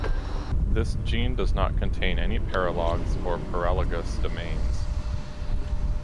This gene does not contain any paralogs or paralogous domains.